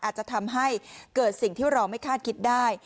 อาจจะทำให้เกิดสิ่งที่เราไม่คาดคิดได้